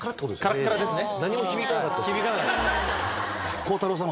カラッカラですね？